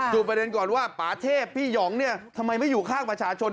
ประเด็นก่อนว่าป่าเทพพี่หองเนี่ยทำไมไม่อยู่ข้างประชาชน